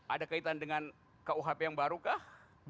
ada kaitan dengan kuhp yang baru kah